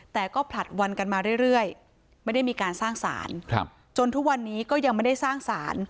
แต่ก็ผลัดวันกันมาเรื่อยไม่ได้มีการสร้างสารจนทุกวันนี้ก็ยังไม่ได้สร้างสาร